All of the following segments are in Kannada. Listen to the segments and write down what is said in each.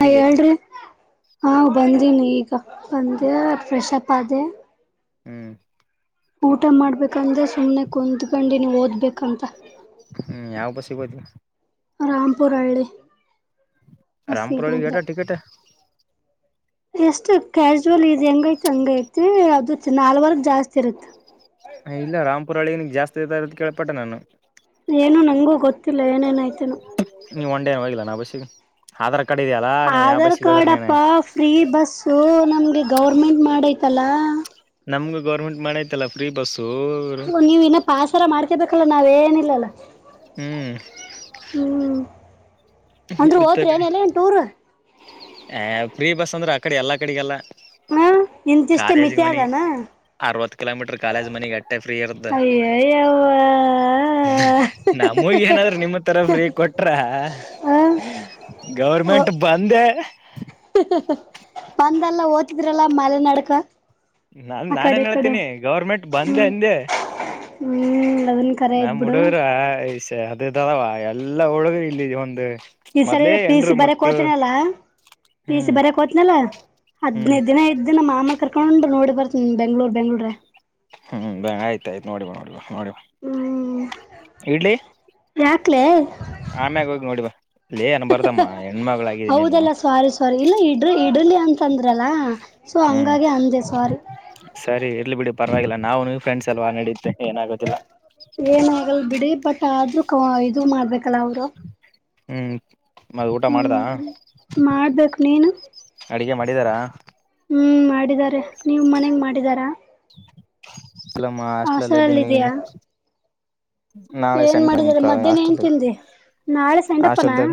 ಹ ನನಗೆ ಹೇಳ್ರಿ ಹಾ ಬಂದ್ರನ ಈ ಅಂದ ಫ್ರೆಶಪ್ ಅದೆೇ ಹ್ಮ್ ಊಟ ಮಾಡ್ಬೇಕಂದ್ರೆ ಸುಮ್ನೆ ಕುತ್್ಕಂಡಿ ನೀ್ ಓದ್ಬೇಕಂತ ಹ್ಮ್ ಯಾವ ಬಸಿಬೋದು ರಾಮಪುರಹಳ್ಳಿ ರಾಮಪುರ ಒಳಿ ಗೇಟ ಟಿಕೆಟ್ ಎಷ್ಟು ಕ್ಯಾಶುವಲ್ ಇದ್ ಹೆಂಗ ಐತಿ ಹಂಗ ಐತಿ ಅದ ನಾಲ್ವರ್ಗ ಜಾಸ್ತಿ ಇರುತ್ತ ಹ ಇಲ್ಲ ರಾಮಂಪುರ ಹಿಏನಗ್ ಜಾಸ್ತಿ ಇದ ಅಂತ ಕೇಳ್ಪಟ್ಟೆ ನಾನು ಏನು ನಂಗೂ ಗೊತ್ತಿಲ್ಲ ಏನೇನಾಯ್ತೇನು ನೀವು ಒನ್ ಹೋಗಿಲ್ಲ ನಾ ಬಸ ಆಧಾರ್ ಕಾರ್ಡ್ ಇದೆಯಲ್ಲ ನೀವು ಯಾವ ಆಧಾರ್ ಬಸ್ಸಿಗೆ ಹೋದ್ರ ಕಾರ್ಡ್ ನೀನು ಅಪ್ಪ ಫ್ರೀ ಬಸ್ಸು ನಮಗೆ ಗೌರ್ಮೆಂಟ್ ಮಾಡೈತಲ್ಲ ನಮ್ಗ ಗೌರ್ಮೆಂಟ್ ಮಾಡೈತಲ್ಲಾ ಫ್ರೀ ಬಸ್ ಹ ನೀವ್ ಇನಪ್ಪ ಆಚಾರ ಮಾಡ್ಕೇರ್ಬೇಕಲ್ಲ ನಾವ್ಏನಿಲ್ಲಲ್ಲ ಹ್ಮ್ ಹ್ಮ್ ಅಂದ್ರೆ ಹೋದ್ರಿ ಏನಲ್ಲ ಏನು ಟೂರ್ ಆ ಪ್ರೀ ಬಸ್ ಅಂದ್ರೆ ಆ ಕಡೆ ಎಲ್ಲಾ ಕಡೆಗೆಲ್ಲ ಇಂತಿಷ್ಟು ಮಿತಿ ಅಗನಾ ಅರವತ್ತು ಕಿಲೋಮೀಟರ್ ಕಾಲೇಜ್ ಮನ ಗಟ್ಟೆ ಫ್ರೀ ಇರ್ದ ಅಯ್ಯೋ ಯವ್ವಾ ನಮಗ ಏನಾದ್ರರು ನಿಮ್ಮ ತರ ್ರೀ ಕೊಟ್ರ ಹ ಗೌರ್ಮೆಂಟ್ ಬಂದೆ ಬಂದಲ್ಲ ಓದತಿದ್ರಲ್ಲ ಮಲೆ ನಡ್ಕ ನನ್ ನಾನೇನ್ ಹೇಳ್ತೀನಿ ಗೌರ್ಮೆಂಟ್ ಬಂದ ಹ್ಮ್ ಅಂದೆ ಹ್ಮ್ ಅದನ್ ಕರೆ ಆಯ್ತ್ ನಮ ಬಿಡು ಹಡಗರ ಈ ಹ ಅ ತರವಾ ಎಲ್ಲಾ ಹುಗ ಇಲ್ಲ ಒಂದು ಈ ಸರಿ ಮೊದ್ಲೇ ಪ ಎಂಡರು ಸಿ ಬರಕ್ ಮಕ್ಕಳು ಹೋತನ ಅಲ್ಲ ಪೀಸ ಹ್ಮ್ ಬರಕ್ ಹೋತ್ನಲಾ ಹ್ಮ್ ಹದ್ನದ ದಿನ ಐದ್ ದಿನ ಮಾಮೂ ಕರ್ಕೊಂಡ ನೋಡಿ ಬರ್ತ ಹ್ಮ ಬೆಂಗ್ಳೂರ್ ಬೆಂಗ್ಳೂರ ಹ್ಮ್ ಬ ಆಯ್ತ ಆಯ್ತು ನೋಡಿವಾ ನೋಡಿವಾ ನೋಡಿವಾ ಹ್ಮ್ ಇಡ್ಲಿ ಯಾಕ್ಲೆ ಆಮ್ಯಾಗ ಹೋಗಿ ನೋಡಿ ಬಾ ಲೇ ಅನ್ಬಾರ್ದಮ್ಮ ಹೆಣ್ಮಗಳಾಗಿದೆ ನೀನು ಹೌದಲ್ಲ ಸಾರಿ ಸಾರಿ ಇಲ್ಲ ಇಡ್ರ ಇಡ್ರ್ಲಿ ಅಂತ ತಂದ್ರಲ್ಲ ಸೊ ಹ್ಮ್ ಹಂಗಾಗಿ ಅಜೆ ಸಾರಿ ಸರಿ ಇರ್ಲಿ ಬಿಡಿ ಪರವಾಗಿಲ್ಲ ನಾವು ನೀವು ಫ್ರೆಂಡ್ಸ್ ಅಲ್ವಾ ನಡಿಯುತ್ತೆ ಏನಾಗೋದಿಲ್ಲ ಏನ ಆಗಲ್ ಬಿಡಿ ಬಟ್ ಆದ್ರೂ ಕ ಇದು ಮಾಡ್ಬೇಕಲ್ಲ ಅವರು ಹ್ಮ್ ಮದ ಊಟ ಮಾಡ್ದ ಹ್ಮ್ ಮಾಡ್ಬೇಕು ನೀನು ಅಡುಗೆ ಮಾಡಿದಾರಾ ಹ್ಮ್ ಮಾಡಿದಿದ್ದಾರೆ ನೀವು ಮನೆಗೆ ಮಾಡಿದಾರಾ ಇಲ್ಲ ಮಾ ಹಸ್ಲ ಅಲ್ಲದೆ ಹಾಸ್ಟೆಲ್ ನೀನು ಇದೆಯಾ ಏನ್ ಮಾಡಿದಿದ್ದಾರೆ ಮಧ್ಯಾಹ್ನ ಏನ್ ಹಾಸ್ಟೆಲ್ ತಿದಿ ನಾಳೆ ಸಂಡಪ್ಪನ ಹಾಸ್ಟೆಲ್ದಾಗ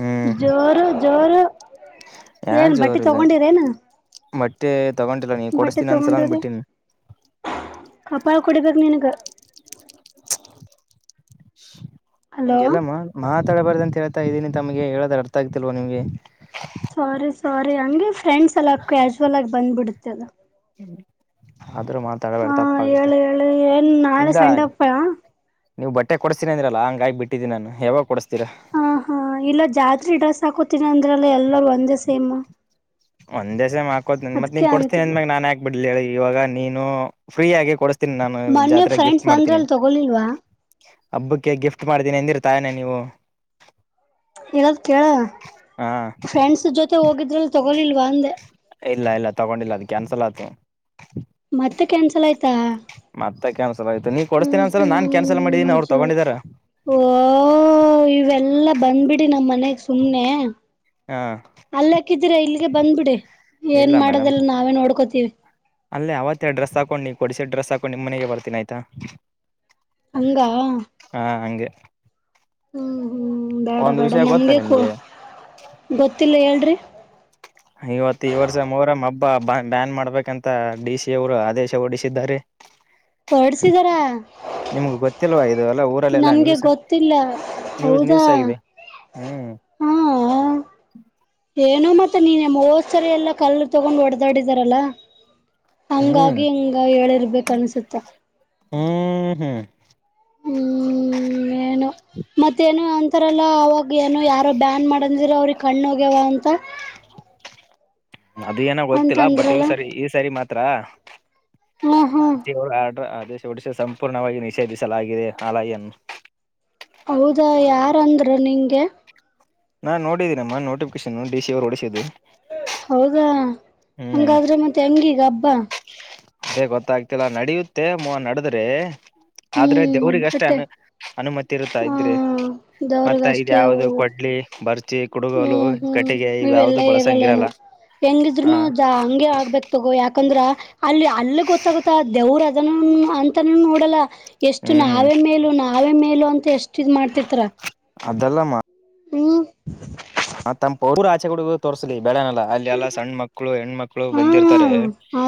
ಹ್ಮ್ ಜೋರು ಜೋರು ಏನ್ ಬಟ್ಟಿ ತಗೊಂಡಿರೇನು ಮಟ್ಟೆ ತಗೊಟಿಲ್ಲ ನೀ ಬಟ್ಟೆ ಕೊಡಿಸತೀನಿ ಅಂದಸಲಾನ ತಗೊಂಡ್ರಿ ಬಿಟ್ಟಿನಿ ಕಪಾಳ ಕುಡಿಬೇಕು ನಿನಗ ಹಲೋ ಹಗೆಲ್ಲ ಮಾ ಮಾತಾಡಬಾರ್ದಂತ ಹೇಳ್ತಾ ಇದೀನಿ ತಮಗೆ ಹೇಳದ್ರ ಅರ್ಥ ಆಗ್ತಿಲ್ವ ನಿಮ್ಗೆ ಸಾರಿ ಸಾರಿ ಹಂಗೆ ಫ್ರೆಂಡ್ಸ್ ಎಲ್ಲ ಕ್ಯಾಶುವಲ್ ಆಗಿ ಬಂದ್ಬಿಡುತ್ತೆ ಅದ ಹ ಆದ್ರೂ ಮಾತಾಡಬೇ್ದ ಹಾ ತಪ್ಪಾಗುತ್ತೆ ಹೇಳು ಹೇಳು ಏನ್ ನಾಳೆ ಇಲ್ಲ ಸಂಡಪ್ಪ ನೀವು ಬಟ್ಟ ಕೊಡ್ತನಂದರಲ್ಲ ಹಂಗಗಿ ಬಿಟ್ಟಿದ್ದನಾನು ಯಾವಾಗ ಕೊಡ್ ಹ ಹಾ ಇಲ್ಲ ಜಾತ್ರಿ ಡ್ರೆಸ್ ಹಾಕೋತಿನಿ ಅಂದ್ರಲ್ಲ ಎಲ್ಲಾರ ಒಂದೇ ಸೇಮ ಒಂದ ದಸ ಮಾಡಾಕೋ ಮತ್ತ ನೀನ್ ಕೊಡ್ಸ್ತ ಅಂದ ಅಂತಿದ್ದೆ ಮಾಗ ನನ್ ಯಾಕೆ ಬಿಡ್ ಹೇಳಿ ಇವಾಗ ನೀನು ಫ್ರೀ ಆಗಿ ಕೊ ನಾನು ಮೊನ್ನೆ ಜಾತ್ರೆ ಫ್ರೆಂಡ್ಸ್ ಗಿಫ್ಟ್ ಮಾಡ್ತೀನಿ ಬಂದ್ರಲ್ಲಿ ತಗೊಲಿಲ್ವಾ ಹಬ್ಬಕ್ಕೆ ಗಿಫ್ಟ್ ಮಾಡ್ತೀನಿ ಎಂದಿರ ತಾಯಾನ ನೀವು ಇಲ್ಲದ ಕೇಳ ಹಾ ಫ್ರೆಂಡ್ಸ್ ಜೊತೆ ಹೋಗಿದ್ರಲ್ ತಗೊಲಿಲ್ವಾ ಅಂದೆ ಇಲ್ಲ ಇಲ್ಲ ತಗೊಂಡಿಲ್ಲ ಅದು ಕ್ಯಾನ್ಸಲ್ ಆಯತು ಮತ್ತ ಕ್ಯಾನ್ಸಲ್ ಮತ್ತ ಕ್ಯಾನ್ಸಲ್ ಆಯ್ತು ನೀ ಕೊಡ್ಸ್ತೀನ ಹ್ಮ್ ಅಂದಸಲ ನಾನ್ ಕ್ಯಾನ್ಸಲ್ ಮಾಡಿದೀನಿ ಹ್ಮ್ ಅವ್ರ ಸರಿ ತಗೊಂಡಿದಾರ ಓ ಇವೆಲ್ಲಾ ಬಂದ್ಬಿಡಿ ನಮ್ ಮನೆಗ್ ಸುಮ್ನೆ ಹಾ ಅಲ್ಲ ಹಾಕಿದೀ್ರ ಇಲ್ಲಿಗೆ ಬಂದ್ ಬಿಡಿ ಏನ್ ಇಲ್ಲ ಮೇಡಮ್ ಮಾಡೋದೆಲ್ಲ ನಾವೇ ನೋಡ್ಕೋತೀವಿ ಅಲ್ಲೇ ಅವತ್ತೇ ಡ್ರೆಸ್ ಹಾಕೊಂಡು ನೀವು ಕೊಡಿಸಿಡ್ ಡ್ರೆಸ್ ಹಾಂಡ ನಿಮ್ಮನೆ ಬರ್ತೀನ ಆಯ್ತಾ ಹಂಗಾ ಹಾ ಹಂಗೆ ಹ್ಮ್ ಹ್ಮ್ ಬೇಡ ಒಂದ್ ಬೇಡ ವಿಷಯ ಗೊತ್ತಾ ನಮ್ಗೆ ಕೂ ನಿಮ್ಗೆ ಗೊತ್ತಿಲ್ಲ ಹೇಳ್ರಿ ಹ ಇವತ್ತು ಈ ವರ್ಷ ಮರಮ್ಮ್ ಹಬ್ಬ ಬ ಬಡ್ಯಾನ್ ಮಾಡ್ಬೇಕಂತ ಡಿ ಸಿ ಅವರು ಆದೇಶ ಹೊಓಡಿಸಿದ್ದಾರೆ ಬರೇ ಹೊಡ್ಸಿದಾರ ನಿಮ್ಗೆ ಗೊತ್ತಿಲ್ವಾ ಇದು ಎಲ್ಲ ಊರಲ್ಲೆಲ್ಲ ನನ್ಗೆ ನೀವುಸ ಗೊತ್ತಿಲ್ಲ ನ್ಯೂಸ್ ಹೌದಾ ನ್ಯೂಸ್ ಆಗಿದೆ ಹ್ಮ್ ಹಾ ಏನೋ ಮತ್ತೆ ನೀನೆ ಮೋದ್ಸರಿ ಎಲ್ಲಾ ಕಲ್ಲು ತಗೊಂಡ್ ಹೊಡೆದಾಡಿದಾರಲ್ಲಾ ಹ್ಮ್ ಹಂಗಾಗಿ ಹಂಗ ಹೇಳಿರ್ಬೇಕ ಅನ್ಸುತ್ತ ಹ್ಮ್ ಹ್ಮ್ ಹ್ಮ್ ಏನು ಮತ್ತೇನು ಒಂತರ ಅವಾಗ ಏನು ಯಾರೋ ಬ್ಯಾನ್ ಮಾಡಂದಿರ ಅವ್ರಿಗೆ ಕಣ್ಣುೋಗ್ಯವ ಅಂತ ಅದ ಏನಾಗ ಅಂತ ಗೊತ್ತಿಲ್ಲ ಬಟ್ ಈ್ ಅಂದ್ರಲ್ಲ ಸರಿ ಈ ಸರಿ ಮಾತ್ರ ಹ್ಮ್ ಹ್ಮ್ ಅವರು ಆರ್ಡರ್ ಆದೇಶ ಹೊಡಿಸಿ ಸಂಪೂರ್ಣವಾಗಿ ನಿಷೇಧಿಸಲಾಗಿದೆ ಆಲ ಎನ್ ಹೌದಾ ಯಾರಂದ್ರ ನಿಂಗೆ ನಾ ನೋಡಿದ್ದೀನಮ್ಮ ನೋಟಿಫಿಕೇಶನ್ ಡಿ ಸಿ ಅವರ್ ಓಡಿಸಿದ್ದು ಹೌದಾ ಹಂಗಾದ್ರೆ ಮತ್ತೆ ಹಂಗೀಗ ಹಬ್ಬಾ ಅದೇ ಗೊತ್ತಾಗ್ತಿಲ್ಲ ನಡಿಯುತ್ತೆ ಮ ನಡದ್ರೆ ಆದ್ರೆ ಹ್ಮ್ ದೇವ್ರಗಷ್ಟೇ ಒಬ್ಬಟ್ಟೆ ಅನ್ ಅನುಮತಿ ಇರುತ್ತಾ ಹ ಇದ್ರಿ ಮತ್ತ ಇದ ದವ್ರಗಷ್ಟೇ ಯಾವ್ದ ಕೊಡ್ಲಿ ಬರ್ ಹಚ್ಚಿ ಕುಡುಗೋಲು ಹ್ಮ್ ಹ್ಮ್ ಕಟ್ಟಿಗೆ ಇವ ಯಾವ್ದು ಇವೆಲ್ಲಾ ಇರಲ್ಲೇನು ಬಳಸಂಗಿರಲ್ಲ ಹ ಹೆಂಗಿದ್ರುನು ಜ ಹಗೆ ಆಗ್ಬೇಕಕ್ ತಗೋ ಯಾಕಂದ್ರ ಅಲ್ಲಿ ಅಲ್ಲ ಗೊತ್ತಾಗುತ್ತ ದೇವ್ರ ಅದನ್ನು ಅಂತಾನೂ ನೋಡಲ್ಲ ಎಷ್ಟು ಹ್ಮ್ ನಾವೇ ಮೇಲು ನಾವೇ ಮೇಲು ಅಂತ ಎಷ್ಟ ಇದ್ ಮಾಡ್ತಿತ್ತರ ಈ ಮ ತಮ್ಮ ಪರು ಆಚೆ ಕುಗ ತೋರ್ಸಲಿ ಬೆಳನಲ್ಲ ಅಲ್ಲಿ ಎಲ್ಲಾ ಸಣ್ಣ ಮಕ್ಳು ಹೆಣ್ಮಕ್ಳು ಬಂದಿರ್ತಾರೆ ಹ್ಮ್ ಹಾ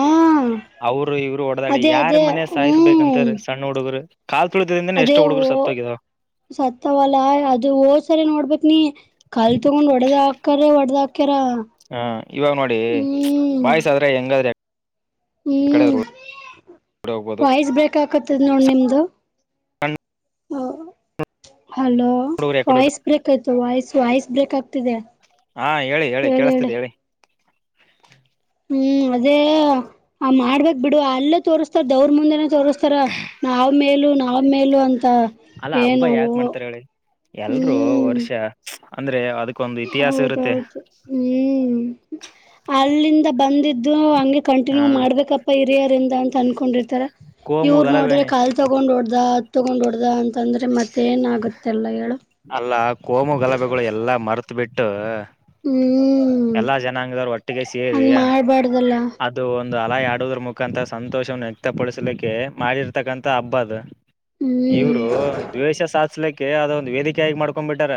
ಅವರು ಇವ್ರು ಓಡದಾಡಿ ಅದೇ ಯಾರ್ ಅದೇ ಮನ ಸಾಯಸ್ಬೇಕಂತ್ರ ಹ್ಮ್ ಸಣ್ಣ ಹುಡುಗರು ಕಾಲ್ ತುಳಿತದಿಂದನೇ ಅದೇ ಎಷ್ಟೋ ಹುಡುಗರು ಓ ಸತ್ತೋಗಿದಾವ ಸತ್ತವಲ್ಲ ಅದು ಹೋಸರಿ ನೋಡ್ಬೇಕ ನೀ ಕಾಲ್ ತೊಗೊಂಡ್ ಒಡೆದ ಹಾಕರೆ ಒಡೆದಾಕ ಹ ಇವಾಗ ನೋಡಿ ಹ್ಮ್ ಬಾಯ್ಸ್ ಆದ್ರೆ ಹೆಂಗಾದ್ರೆ ಕಡೆ ಹ್ಮ್ ಹೋಗ್ಬೋದು ವಾಯ್ಸ್ ಬ್ರೇಕ್ ಆಕತದ ನೋಡ್ ನಿಮ್ದು ಹ ಹ ಹಲೋ ಹುಡುಗರು ಯಾಕಡೆ ವಾಯ್ಸ್ ಬ್ರೇಕ್ ಆಯ್ತು ವಾಯ್ಸ್ ವಾಯ್ಸ್ ಬ್ರೇಕ್ ಆಗ್ತ [unintelligible] ಹಾ ಹೇಳಿ ಹೇಳಿ ಕೇಳಸ್ತೇತಿ ಹೇಳಿ ಹ್ಮ್ ಅದೇ ಆ ಮಾಡ್ಬೇಕೇಕ್ ಬಿಡು ಅಲ್ಲೇ ತೋರಿಸತಾರ ದವ್ರ ಮುಂದೆನ ತೋರ್ಸ್ತ ತರ ನಾವ್ ಮೇಲ ನಾವ್ ಮೇಲ ಅಂತ ಅಲ್ಲಾ ಹಬ್ಬ ಯಾಕ ಏನವು ಮಾಡ್ತಾರ ಹೇಳಿ ಎಲ್ರು ಹ್ಮ್ ವರ್ಷ ಅಂದ್ರೆ ಅದಕ್ ಅಕ್ಕೊಂದು ಇತಿಹಾಸ ಇರುತ್ತೆ ಹೌದೌದು ಹ್ಮ್ ಅಲ್ಲಿಂದ ಬಂದಿದ್ದು ಹಂಗೆ ಕಂಟಿನ್ಯೂ ಹ ಮಾಡ್ಬೇಕಪ್ಪ ಹಿರಿಯರಿಂದ ಅ ತಂದಕೊಂಡಿರ್ತಾರೆ ಕೋಮು ಇವ್ರು ಗಲಭೆನೆ ನೋಡ್ರೆ ಕಾಲ್ ತಗೊಂಡ್ ಹೊಓಡ್ದ ಅತ್ ತಗೊಂಡ್ ಹೊೋಡ್ದ ಅಂತ ಅಂದ್ರೆ ಮತ್ತೆ ಏನ ಆಾಗುತ್ತೆಲ್ಲ ಹೇಳು ಅಲ್ಲ ಕೋಮು ಗಲಭೆಗಳು ಎಲ್ಲಾ ಮರ್ತ್ ಬಿಟ್ಟು ಹ್ಮ್ ಎಲ್ಲಾ ಜನಾಂಗದವರು ಒಟ್ಟಿಗೆ ಸೇರಿ ಹಂಗ ಮಾಡ್ಬಾರ್ದಲ್ಲ ಅದು ಒಂದು ಅಲ ಆಡೋುದ್ರ ಮುಖಾಂತ ಸಂತೋಷವನ್ನು ವ್ಯಕ್ತಪಡಿಸ್ಲಿಕ್ಕೆ ಮಾಡಿರ್ತಕ್ಕಂಥ ಹಬ್ಬ ಅದ ಹ್ಮ್ ಇವರು ದ್ವೇಷ ಸಾಧ್ಲಿಕ್ಕೆ ಅದೊಂದು ವೇದಿಕೆೆಯಾಗಿ ಮಾಡ್ಕೊ್ ಬಿಟ್ಟಾರ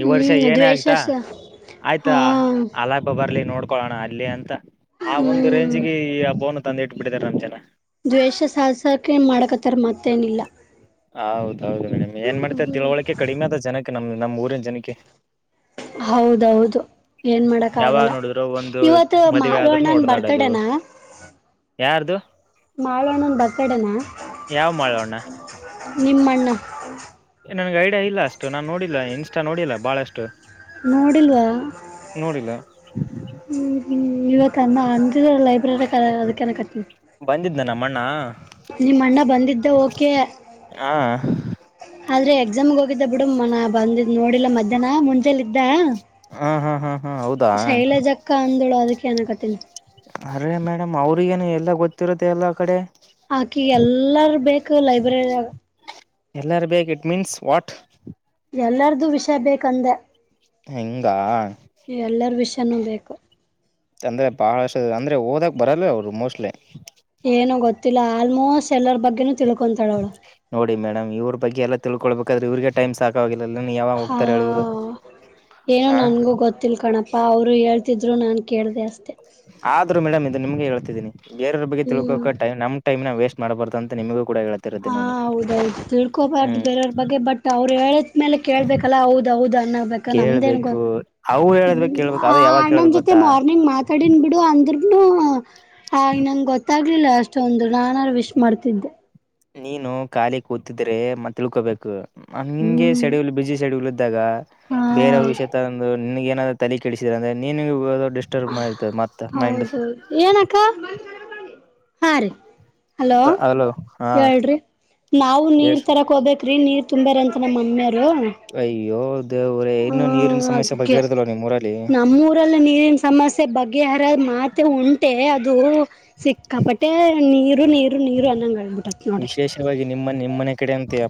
ಈ ವರ್ಷ ಹ್ಮ್ ಏನೇ ಆಗ್ತಾ ದ್ವೇಷಸ ಹಾ ಆಯ್ತಾ ಅಲ ಹಬ್ಬ ಬರ್ಲಿ ನೋಡ್ಕೊೊಳ್ಳೋಣ ಅಲ್ಲಿ ಅಂತ ಆ ಒಂದು ಹ್ಮ್ ರೇಂಜ್ಗೆ ಈಬ್ಬೋನ ತಂದು ಇಟ್ಬಟ್ಟಿದ ನ್ನ ದ್ವೇಷ ಸಾಸಕ ಮಾಡಕತ್ತಾರ ಮತ್ತೇನಿಲ್ಲ ಹೌದೌದು ಮೇಡಮ್ ಏನ್ ಮಾಡ್ತ ತಿಳುವಳಿಕೆ ಕಡಿಮೆ ಅದ ಜನಕ್ಕೆ ನಮ್ ನಮ್ಮ್ ಊರಿನ ಜನಕ್ಕೆ ಹೌದೌದು ಏನ್ ಮಾಡಕ್ ಯಾವಾಗ ಆಗಲ್ಲ ನೋಡಿದ್ರು ಒಂದು ಇವತ್ತು ಮದುವೆ ಮಾರು ಆದ್ರೂನು ಅಣ್ಣನ್ ಹೊಡೆದಾಡೋದು ಬರ್ತಡನಾ ಹಾ ಯಾರ್ದು ಮಾಳುಣ ಬರ್ತಡೇ ಯಾವ ಮಾಡೋಣ ನಿಮ್ಮಣ್ಣ ನನ್ಗೆ ಐಡಿಯಾ ಇಲ್ಲ ಅಷ್ಟು ನಾನ್ ನೋಡಿಲ್ಲ ಇನ್ಸ್ಟಾ ನೋಡಿಲ್ಲ ಬಾಳ ಅಷ್ಟು ನೋಡಿಲ್ವಾ ಹ್ಮ್್ಮ ಇವತ್ತು ಅನ್ನ ಅಜಿದ ಲೈಬ್ರರಿ ಅದಕ್ಕೆನ ಕಟ್ಟನ ಮನ್ನ ನಿಮ್ಮ ಅಂಡ್ಣ ಬಂದಿದ್ದೆ ಓಕೆ ಹಾ [inaudible] ಆದ್ರೆ ಎಕ್ಸಾಮ್ಗೆ ಹೋಗಿದ್ದ ಬಿಡು ಮನ ಬಂದಿದ್ ನೋಡಿಿಲ್ಲ ಮಧ್ಯಾಹ್ನ ಮುಂಚೆ ಲ್ಲ ಇದಿದ್ದ ಹಾ ಹಾ ಹಾ ಹಾ ಹೌದಾ ಶೈಲಜ ಅಕ್ಕ ಅಂದಳು ಅದಕ್ಕೆ ಏನಕತ್ತೀನಿ ಅರೆೇ ಮೇಡಮ್ ಅವ್ರಿಗೇನು ಎಲ್ಲ ಗೊತ್ತಿರುತ್ತೆ ಎಲ್ಲ ಆ ಕಡೆ ಆಾಕಿ ಎಲ್ಲಾರ ಬೇಕು ಲೈಬ್ರರಿಯಾಗ ಎಲ್ಲಾರು ಬೇು ಇಟ್ ಮೀನ್ಸ್ ವಾಟ್ ಎಲ್ಲಾರ್ದು ವಿಷಯ ಬೇಕಂದೆ ಹೆಂಗ ಎಲ್ಲರ ವಿಷಯಾನೂ ಬೇಕು ತಂದ್ರೆ ಬಹಳ ಅಷ್ಟ ಅಂದ್ರೆ ಹಓದಕ್ ಬರಲ್ಲ ಅವರು ಮೋಸ್ಟ್ಲಿ ಲ್ಲ ಆಲ್ಮೋಸ್ಟ್ ಎಲ್ಲರ ಬಗ್ಗೆನ ನೋಡಿ ಮೇಡಮ್ ಇವ್ರ ಬಗ್ಗೆಲ್ಲ ತಿಳ್ಕೊಳ್ಬೇಕಾದ್ರೆ ಇವ್ರಿಗೆ ಟೈಮ್ ಸಾಕ ಹಾ ಏನೋ ಹ ನನ್ಗೂ ಗೊತ್ತಿಿಲ್ಲ ಕಣಪ ಅಪ್ಪಾ ಅವ್ರು ಹೇಳ್ತಿದ್ರು ನಾನನ್ ಕೇಳ್ದೆ ಅಷ್ಟೇ ಆದ್ರರು ಮೇಡಮ್ ಇದು ನಿಮ್ಗೆ ಹೇಳ್ತಿದ್ದೀನಿ ಬೇರವ್ರ ಬಗ್ಗೆ ಹ್ಮ್ ತಿಳ್ಕೋಕ ಟೈಮ್ ನಮ್ ಟಮ್ ನ ವೇಸ್ ಮಾಡಬಾರು ಅಂತಮಗ ಹಾ ಹೌದೌದು ತಿಳ್ಕೋಬಾರ್ದು ಹ್ಮ್ ಬೇರೆಯವ್ರ ಬಗ್ಗೆ ಬಟ್ ಅವ್ರು ಹೇಳ ಆಮೇಲೆ ಕೇಳ್ಬೇಕಲ್ಲ ಹೌದೌದು ಅನ್ನ್ಬೇಕ ನಮ್ದೇನ್ ಗೋ ಕೇಳ್ಬೇಕು ಅವು ಹೇಳದ್ಬೇಕ ಹ್ಮ್ ಕೇಳ್ಬೇಕು ಆ ಅದು ಯಾವಾಗ ಅಣ್ಣನ್ ಕೇಳ್ಬೇಕು ಜೊತೆ ಗೊತ್ತಾ ಮಾರ್ನಿಂಗ್ ಮಾತಾಡನ್ ಬಿಡು ಅಂದ್ರ ಆ ನಂಗ ಗೊತ್ತಾಗ್ಲಿಲ್ಲ ಅಷ್ಟೊಂದು ನಾನನ್ರು ವಿಶ್ ಮಾಡ್ತಿದ್ದೆ ನೀನು ಕಾಲಕ್ ಕೂತಿದ್ರೆ ಮತ್ತ ತಿಳ್ಕೋಬೇಕು ನಿಂಗೆ ಹ್ಮ್ ಸೆಡಿಲ್ ಬಿಜಿ ಸೆಡಿ ಇದ್ದಾಗ ಹಾ ಬೇರೆಯವ್ರ ವಿಷಯ ತಂದು ನಿನ್ಗ ಏನಾದರು ತಲೆ ಕೆಡಿಸಿದ್ರ ಅಂದ್ರೆ ನೀನ್ ಹೌದೌದು ಏನಕ್ಕ ಹಾ ರೀ ಹಲೋ ಅಲೋ ಹಾ ಹೇಳ್ರಿ ನಾವು ನೀರ್ ಎಸ್ ತರಕ್ ಹೋಗಬೇಕೇರಿ ನೀರ್ ತುಂಬೇರಂತ ನಮ್ಮ ಮಮ್ಮಿಯರು ಅಯ್ಯೋ ದೇವ್ರೇ ಹ್ಮ ಇನ್ನು ನೀರಿನ ಸಮಸ್ಯೆ ಅದಕ್ಕೆ ಬಗೆಹರದಲ್ವ ನಿಮ್ ಊರಲ್ಲಿ ನಮ್ಮೂರಲ್ಲಿ ನೀರಿನ ಸಮಸ್ಯೆ ಬಗೆಹರದ್ ಮಾತ್ರ ಮತ್ತೆ ಹೊಂಟೆ ಅದು ಸಿಕ್ಕಾಪಟ್ಟೆ ನೀರು ನೀರು ನೀರು ಅನ್ನಂಗಬುದು ವಿಶೇಷವಾಗಿ ನಿಮ್ಮ ನಿಮ್ಮನೆ ಕಡೆ ಅಂತ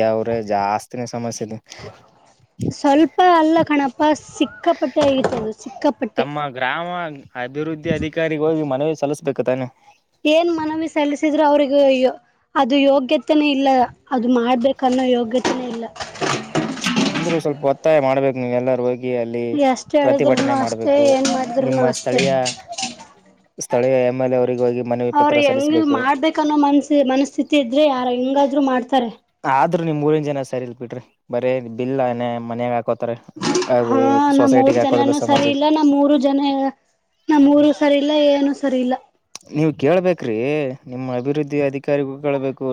ದೇವ್ರ ಜಾಸ್ತಿನ ಸಮಸ್ಯೆ ಇದೆ ಹಾ ಸ್ವಲ್ಪ ಅಲ್ಲ ಕಣಪ ಸಿಕ್ಕಾಪಟ್ಟೆ ಆಗತದು ಸಿಕ್ಕಾಪಟ್ಟೆ ತಮ್ಮ ಗ್ರಾಮ ಅಭಿವೃದ್ಧಿ ಅಧಿಕಾರಿಗೆ ಹೋಗಿ ಮನವಿ ಸಲ್ಲಿಸ್ಬೇಕು ತಾನು ಏನ್ ಮನವಿ ಸಲ್ಲಿಸಿದ್ರು ಅವ್ರಗೂ ಅಯ್ಯೋ ಅದು ಯೋಗ್ಯತೆನೆ ಇಲ್ಲ ಅದು ಮಾಡ್ಬೇಕನ್ನೋ ಯೋಗ್ಯತೆನೇ ಇಲ್ಲ ಅಂದ್ರು ಸ್ವಲ್ಪ ಒತ್ತಾಯ ಮಾಡ್ಬೇಕು ನೀವ್ ಎಲ್ಲರೂ ಹೋಗಿ ಎಷ್ಟ ಹೇಳಿದ್ರುನು ಪ್ರತಿಭಟನೆ ಅಷ್ಟೇ ಮಾಡಬೇಕು ಏನ್ ಮಾಡಿದ್ರುನು ನಿಮ್ಮ ಅಷ್ಟೇ ಸ್ಥಳೀಯ ಸ್ಥಳೀ ಎಂಎಲ್ಎ ಅವ್ರ ಹೆಂಗ ಮಾಡ್ಬೇಕನ್ನೋ ಮನ್ಸ ಮನಸ್ಥಿತಿ ಇದ್ರೆ ಯಾರ ಹೆಂಗಾದ್ರು ಮಾಡ್ತಾರೆ ಆದ್ರೂ ನಿಮ್ ಮೂರನ್ ಜನ ಸರಿ ಇಲ್ ಬಿಟ್ರಿ ಬರೀ ಬಿಲ್ನೆ ಮನ್ಯಾಗಾಕೋ ಹಾ ನಮ್ಮ್ ಮೂರ್ ಜನನುೂ ಸರಿ ಸಮಾಜಕ್ಕೆ ಇಲ್ಲ ನಮ್ ಮೂರು ಜನ ನಮ್ಮೂರು ಸರಿ ಇಲ್ಲ ಏನು ಸರಿ ಇಲ್ಲ ನೀವು ಕೇಳ್ಬೇಕ್ರೀ ನಿಮ್ಮ ಅಭಿವೃದ್ಧಿ ಅಧಿಕಾರಿಗಳು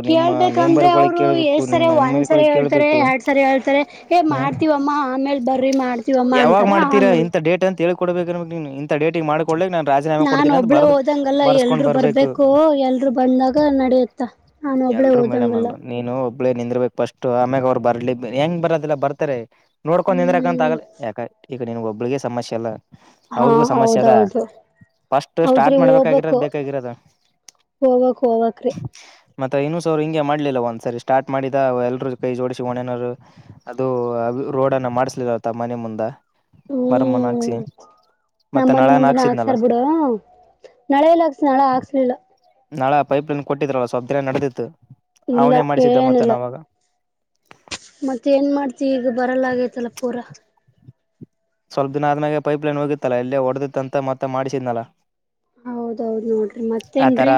ಕೇಳ್ಬೇಕಂದ್ರೆ ಅವ್ರು ಎಷ್ಟ ನಿಮ್ ಸರಿ ಎಂ ಎಲ್ ಒಂದ್ಸರಿ ಗಳಿಗೆ ಹೇಳ್ತಾರೆ ಕೇಳ್ಬೇಕು ಎರಡ್ ಸರಿ ಹೇಳ್ತಾರೆ ಮಾಡ ಹ ಮಾಡ್ತವಮ್ಮ ಆಮೇಲ್ ಬರ್ರಿ ಮಾಡ್ತೀವಮ್ಮ ಅಂತಾರ ಆನ್ ಕೊಡ್ಬೇಕ ನೀ ಇಂಥ ಡೇಟಿಗೆ ಮಾಡಕಡ್ಕ್ ನಾನ್ ರಾಜೀನಾಮ ಕೊಡ್ೀನಿ ಅಂತ ಬರದಕ್ ಲ್ಲ ಎಲ್ರುೂ ಬರ್ಬೇಕು ಎಲ್ರುೂ ಬಂದಾಗ ನಡಿಯತ್ತ ನಾನ ಒಬ್ಳೇ ಹೋದಂಗಲ್ಲ ಳ ನಿಂದಿರ್ಬೇಕಕ್ ಫಸ್ಟ್ ಆಮ್ಯಾಗ ಅವ್ರು ಬರ್ಲಿ ಹೆಂಗ ಬರದಿಲ್ಲ ಬರ್ತಾರೆ ನೋಡ್ಕೊಂಡು ನಿಂದ್ರಕಂತ ಹ್ಮ್ ಆಗಲ್ಲ ಯಾಕ ಈಗ ನಿನ್ ಒಬ್ಬಳಿಗೆ ಸಮಸ್ಯೆ ಇಲ್ಲ ಹಾ ಅವ್ರಗೂ ಸಮಸ್ಯೆ ಅದ ಹೌದೌದು ಫಸ್ಟ್ ಸ್ಟಾರ್ಟ್ ಹೌದ್ರಿ ಮಾಡ್ಬೇಕ ಹೋಗ್ಬೇಕು ಬೇಕಾಗಿರದ ಹೋಗ್ಬಕ್ ಹೋಗ್ಬಕ್ರಿ ಮತ್ತ ಇನ್ನು ಸ ಅವರು ಹಿಂಗೆ ಮಾಡ್ಲಿಲ್ಲ ಒಂದ್ಸರಿ ಸ್ಟಾರ್ಟ್ ಮಾಡಿದ ಎಲ್ರುೂ ಕೈ ಜೋಡಿಸಿ ಒಣನವರು ಅದು ರೋಡ್ನ್ನ ಮಾಡ್ಸಲಿಲ್ಲಲ್ತ್ತ ಮನೆ ಮುಂದ ಮರಮ್ಮನ್ ಹಾಕ್ಸಿ ಹ್ಮ್ ನಮ್ಮ ಮತ್ತೆ ಮನೆ ನಾಳೆನ್ ಹಾಕ್ಸಿದ್ನಲ್ಲ ನಳೆಯಲ್ಲ ಆಕ್ಸ ನಳಾ ಆಗ್ಕ್ಲಿಲ್ಲ ನಾಳಾ ಪೈಪ್ಲನ್ ಕೊಟ್ಟಿದ್ರಲ್ಲ ಸ್ವಬ್ನ ನಡೆದಿತ್ತು ಇಲ್ಲ ಅವನೇ ಮಾಡಿಸಿದ್ದ ಮನ್ವಾಗ ಮತ್ತೆ ಏನ್ ಮಾಡ್ತಿ ಈಗ ಬರಲ್ಲ ಆಗೇತಲ್ಲ ಪೂರಾ ಸ್ವಲ್ಪ ದಿನ ಆದ್ಮ್ಯಾಗೆ ಪೈಪ್ಲನ್ ಹೋಗಿತ್ತಲ್ಲಾ ಇಲ್ಲೇ ಹೊಡೆದತ್ತಂತ ಮತ್ತೆ ಮಾಡಿಸಿದ್ನಲ್ಲ ಹೌದೌದ್ ನೋಡ್ರಿ ಆತರ ಮತ್ತೇನ್ರೀ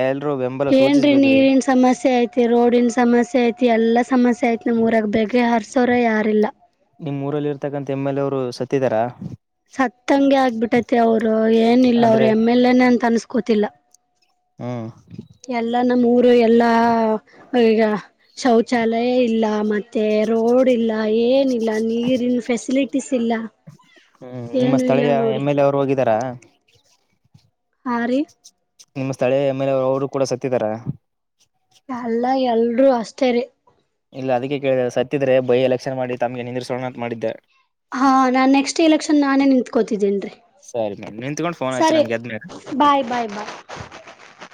ಎಲ್ರೂ ಬೆಂಬಲ ಏನ್ರೀ ಸೂಚಿಸ್ಬೇಕ್ರಿ ನೀರಿನ್ ಸಮಸ್ಯೆ ಐತಿ ರೋಡನ್ ಸಮಸ್ಯೆ ಐತಿ ಎಲ್ಲಾ ಸಮಸ್ಯೆ ಸೈತನ ಮೂರಾಗ ಬೇಗ್ಗೆ ಹರ್ಸೋರ ಯಾರಿಲ್ಲ ನಿಮ್ಮ ಊರಲ್ಲಿ ಇರ್ತಕ್ಕಂಥ ಎಮ್ ಎಲ್ ಎ ಅವರು ಸತ್ತಿದಾರಾ ಸತ್ತಂಗೆ ಆಗ್ಬಿಟ್ಟತಿ ಅವರು ಏನಿಲ್ಲ ಅವ್ರ ಅಂದ್ರೆ ಎಮ್ ಎಲ್ ಎನೆ ಅಂತ ಅನ್ಸ್ಕೋತಿಲ್ಲ ಹ್ಮ್ ಎಲ್ಲಾ ನಮ್ಮ್ ಊರು ಎಲ್ಲಾ ಈಗ ಶೌಚಾಲಯ ಇಲ್ಲ ಮತ್ತೆ ರೋಡ್ ಇಲ್ಲ ಏನ ಲ್ಲ ನೀರಿ ಇನ್ ಫೆಸಿಲಿಟೀಸ್ ಇಲ್ಲ ಹ್ಮ್ ನಿಮ್ಮ ಏನು ಇಲ್ಲ ಸ್ಥಳೀಯ ನೋಡಿ ಎಮ್ ಎಲ್ ಎ ಅವ್ರು ಹೋಗಿದಾರಾ ಹಾ ರ ನಿಮ್ಮ ಸ್ಥಳೀಯ ಮೇಲೆ ಅವರು ಕೂಡ ಸತ್ತಿದಾರ ಎಲ್ಲ ಎಲ್ರೂ ಅಷ್ಟೇ ರ ಇಲ್ಲ ಅದಕ್ಕೆ ಕೇಳಿದ ಸತ್ತಿದ್ರೆ ಬಯ ಎಲೆಕ್ಷನ್ ಮಾಡಿ ತಮಗೆ ನಿಂದಿಸೋಣ ಮಾಡಿದ್ದೆ ಹಾ ನಾನ್ ನೆಕ್ಸ್ಟ್ ಎಲೆಕ್ಷನ್ ನಾನೇ ನಿತ್ಕೋತಿದ್ದೇನ್ರೀ ಸರಿ ಮೇಡಮ್ ನಿಂತ್ಕೊಂಡು ಫೋನ್ ಹಚ್ಚಿ ಸರಿ ನಮ್ಗೆ ಎದ್ಮೇಲೆ ಬಾಯ್ ಬಾಯ್ ಬಾಯ್